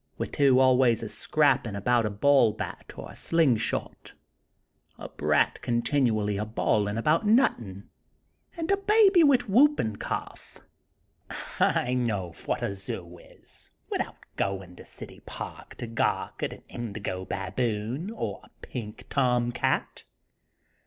Wid two always a scrappin' about a ball bat or a sling shot; a brat continually a bawlin' about nuthin'; an' a baby wid whoopin' cough, I know phwat a zoo is, widout goin' to City Park to gawk at a indigo baboon, or a pink tom cat."